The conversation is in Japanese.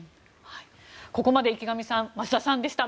ここまで池上さん、増田さんでした。